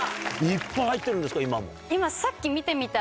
いっぱい入ってるんですか？